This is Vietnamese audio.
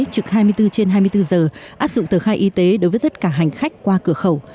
trực hai mươi bốn trên hai mươi bốn giờ áp dụng tờ khai y tế đối với tất cả hành khách qua cửa khẩu